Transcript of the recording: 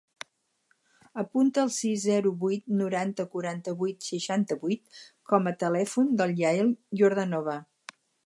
Apunta el sis, zero, vuit, noranta, quaranta-vuit, seixanta-vuit com a telèfon del Yael Yordanova.